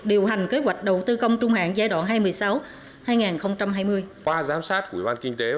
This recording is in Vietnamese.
điều hành kế hoạch đầu tư công trung hạn giai đoạn hai mươi sáu hai nghìn hai mươi